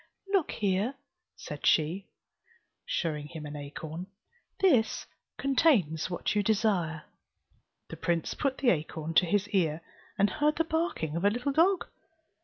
"Look here," said she, showing him an acorn, "this contains what you desire." The prince put the acorn to his ear, and heard the barking of a little dog.